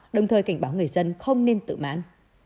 đồng thời cảnh báo người dân không nên tự mãn